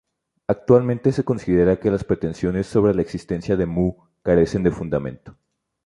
Actualmente se considera que las pretensiones sobre la existencia de Mu carecen de fundamento.